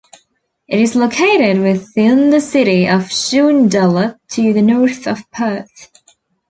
It is located within the City of Joondalup to the north of Perth.